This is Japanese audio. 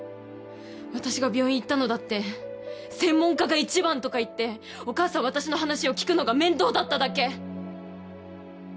私が病院行ったのだって専門家が一番とか言ってお母さん私の話を聞くのが面倒だっただけ。